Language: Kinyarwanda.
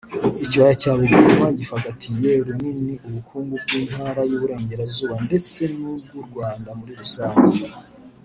Ikibaya cya Bugarama gifgatiye runini ubukungu bw’Intara y’Iburengerazuba ndetse n’ubw’u Rwanda muri rusange